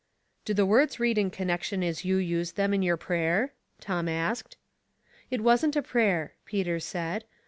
" Do the words read in connection as you used them in your prayer ?" Tom asked. " It wasn't a prayer," Peter said.